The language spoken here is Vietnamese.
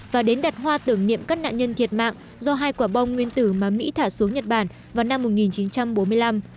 và đến đặt hoa tưởng niệm các nạn nhân thiệt mạng do hai quả bom nguyên tử mà mỹ thả xuống nhật bản vào năm một nghìn chín trăm bốn mươi năm